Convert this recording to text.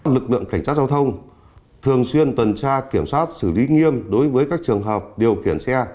lực lượng cảnh sát giao thông thường xuyên tuần tra kiểm soát xử lý nghiêm đối với các trường hợp điều khiển xe